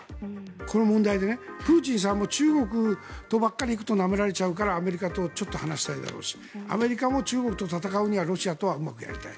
これ、問題でプーチンさんも中国とばっかり行くとなめられちゃうからアメリカとちょっと話したいだろうしアメリカも中国と戦うにはロシアとはうまくやりたい。